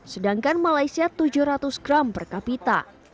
sedangkan malaysia tujuh ratus gram per kapita